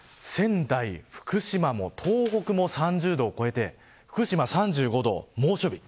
仙台、福島、東北も３０度を超えて福島３５度、猛暑日。